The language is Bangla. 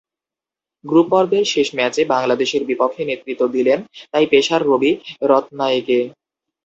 গ্রুপ পর্বের শেষ ম্যাচে বাংলাদেশের বিপক্ষে নেতৃত্ব দিলেন তাই পেসার রবি রত্নায়েকে।